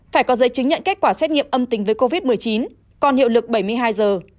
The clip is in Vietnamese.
phải có giấy chứng nhận kết quả xét nghiệm âm tính với covid một mươi chín còn hiệu lực bảy mươi hai giờ